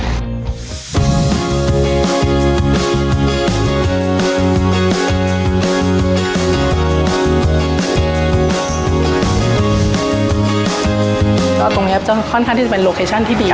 ตรงนี้ครับจะค่อนข้างที่จะเป็นโลเคชั่นที่ดีครับ